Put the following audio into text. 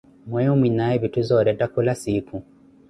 Mweeyo mwinaaye vitthu zooretta khula siikhu.